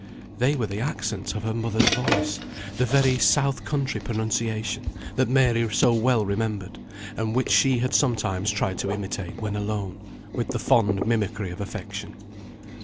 They were the accents of her mother's voice; the very south country pronunciation, that Mary so well remembered; and which she had sometimes tried to imitate when alone, with the fond mimicry of affection.